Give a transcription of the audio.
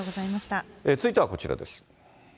続いてはこちらです。